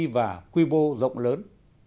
và quy bô rộng lớn